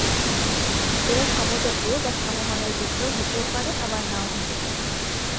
এরা সমজাতীয় বা সমমানের ভেক্টর হতেও পারে আবার নাও হতে পারে।